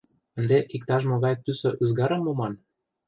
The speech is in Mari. Ынде иктаж-могай пӱсӧ ӱзгарым муман.